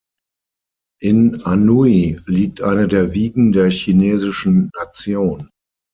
In Anhui liegt eine der Wiegen der chinesischen Nation.